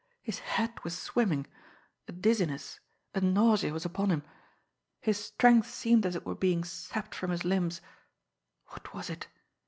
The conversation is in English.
His head was swimming a dizziness, a nausea was upon him his strength seemed as it were being sapped from his limbs. What was it?